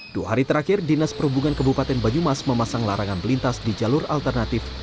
dua hari terakhir dinas perhubungan kabupaten banyumas memasang larangan melintas di jalur alternatif